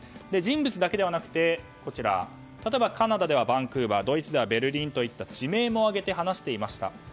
人物だけではなくて例えばカナダではバンクーバードイツではベルリンといった地名を挙げて話していました。